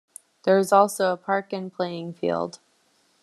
There is also a park and playing field.